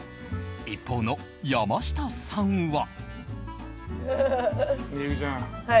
一方の山下さんは。